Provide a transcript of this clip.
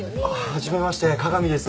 はじめまして加賀美です。